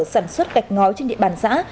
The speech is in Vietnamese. sản xuất gạch ngói trên địa bàn xã